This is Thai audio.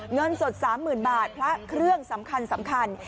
เงินสด๓๐๐๐บาทพระเครื่องสำคัญ